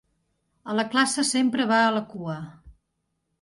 A la classe sempre va a la cua.